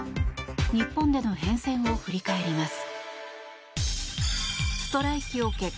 日本での変遷を振り返ります。